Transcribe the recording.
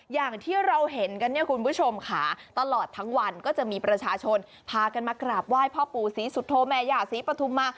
อย่างที่เราเห็นกันเนี่ยคุณผู้ชมค่ะตลอดทั้งวันก็จะมีประชาชนพากันมากราบไหว้พ่อปู่ศรีสุโธแม่ย่าศรีปฐุมมา